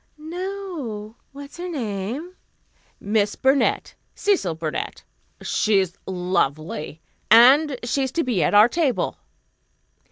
"No. What's her name?" "Miss Burnett Cecil Burnett. She's lovely. And she's to be at our table."